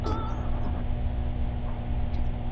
پیاوړی اقتصاد د بحرانونو په وړاندې مقاومت کولای سي.